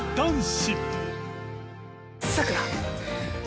さくら。